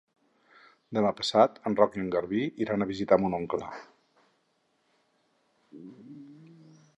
Demà passat en Roc i en Garbí iran a visitar mon oncle.